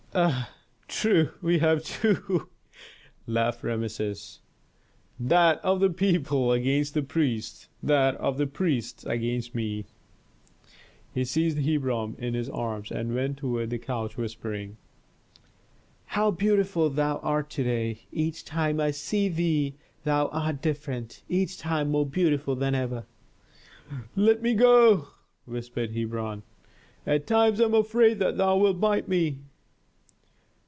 "Ah, true, we have two," laughed Rameses. "That of the people against the priests, that of the priests against me." He seized Hebron in his arms and went toward the couch whispering, "How beautiful thou art to day! Each time I see thee thou art different, each time more beautiful than ever." "Let me go," whispered Hebron. "At times I am afraid that thou wilt bite me."